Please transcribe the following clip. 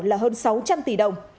là hơn sáu trăm linh tỷ đồng